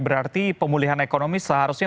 berarti pemulihan ekonomi seharusnya